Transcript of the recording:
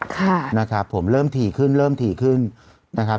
ค่ะนะครับผมเริ่มถี่ขึ้นเริ่มถี่ขึ้นนะครับ